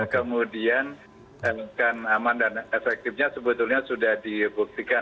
kemudian kan aman dan efektifnya sebetulnya sudah dibuktikan